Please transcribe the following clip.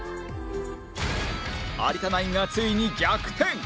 有田ナインがついに逆転！